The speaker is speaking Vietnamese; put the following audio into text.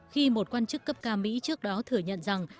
khi một quan chức cấp cao mỹ trước đó thừa nhận rằng